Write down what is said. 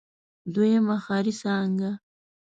دويمه ښاري څانګه.